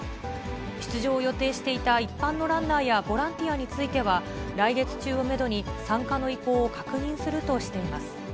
出場を予定していた一般のランナーやボランティアについては、来月中をメドに、参加の意向を確認するとしています。